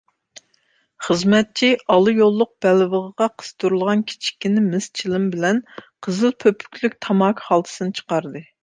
خىزمەتچى ئالا يوللۇق بەلۋېغىغا قىستۇرۇلغان كىچىككىنە مىس چىلىم بىلەن قىزىل پۆپۈكلۈك تاماكا خالتىسىنى چىقاردى.